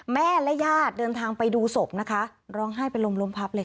แม่และญาติเดินทางไปดูสกตะร้องไห้ไปลมพับเลยค่ะ